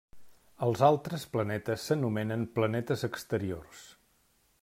Els altres planetes s'anomenen planetes exteriors.